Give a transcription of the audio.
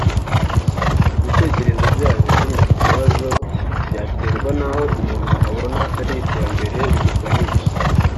Ibitekerezo bwanyu kuri iki kibazo byaterwa n’aho umuntu abona iri terambere rimuganisha